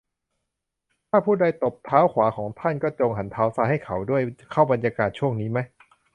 ถ้าผู้ใดตบเท้าขวาของท่าน ก็จงหันเท้าซ้ายให้เขาด้วย เข้าบรรยากาศช่วงนี้มะ ?